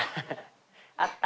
あった？